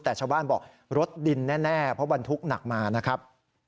แต่ชาวบ้านบอกรถดินแน่เพราะบรรทุกหนักมานะครับ